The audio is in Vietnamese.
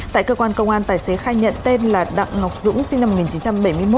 tại cơ quan công an tài xế khai nhận tên là đặng ngọc dũng sinh năm một nghìn chín trăm bảy mươi một